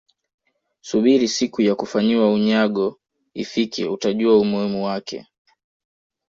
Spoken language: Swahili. subiri siku ya kufanyiwa unyago ifike utajua umuhimu wake